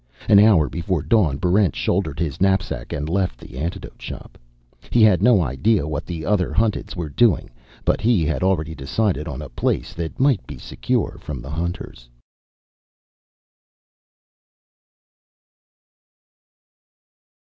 An hour before dawn, Barrent shouldered his knapsack and left the Antidote Shop. He had no idea what the other Hunteds were doing; but he had already decided on a place that might be secure from the Hunters.